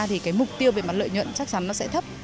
thì cái mục tiêu về mặt lợi nhuận chắc chắn nó sẽ thấp